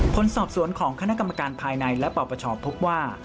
ผลสอบสวนของคณะกรรมการภายในและปปชพบว่า